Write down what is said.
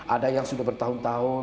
ada yang sudah bertahun tahun